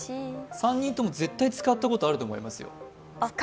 ３人とも絶対使ったことがあると思いますよ。